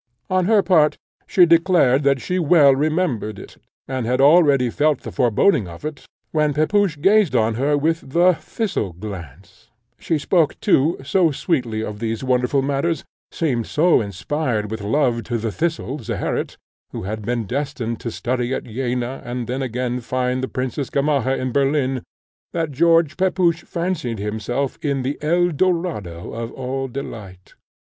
On her part, she declared that she well remembered it, and had already felt the foreboding of it, when Pepusch gazed on her with the thistle glance; she spoke, too, so sweetly of these wonderful matters, seemed so inspired with love to the thistle, Zeherit, who had been destined to study at Jena, and then again find the Princess Gamaheh in Berlin, that George Pepusch fancied himself in the Eldorado of all delight.